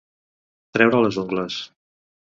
Treure les ungles.